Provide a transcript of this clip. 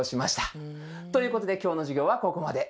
ということで今日の授業はここまで。